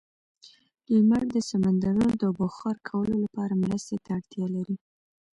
لمر د سمندرونو د بخار کولو لپاره مرستې ته اړتیا لري.